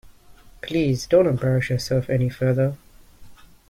Please don't embarrass yourself any further.